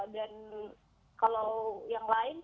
dan kalau yang lain